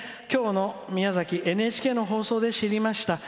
きょうの宮崎ＮＨＫの放送で知りました。